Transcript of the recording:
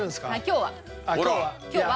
今日は。